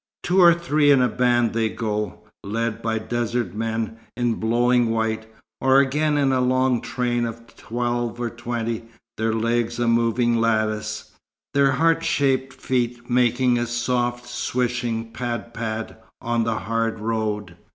Two or three in a band they go, led by desert men in blowing white, or again in a long train of twelve or twenty, their legs a moving lattice, their heart shaped feet making a soft, swishing "pad pad," on the hard road.